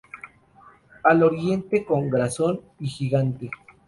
Al oriente con Garzón y Gigante.